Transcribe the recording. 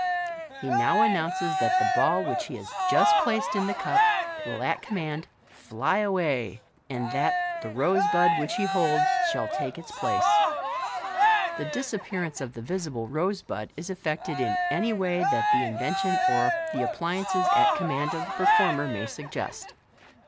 He now announces that the ball which he has just placed in the cup will at commaud fly away, and that the rose bud which he holds shall take its place. Tne disappearance of the visible rose bud is effected in any way that the invention or the appliances at command of the performer may suggest ; and Fig.